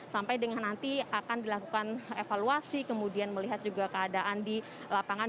sampai dengan nanti akan dilakukan evaluasi kemudian melihat juga keadaan di lapangan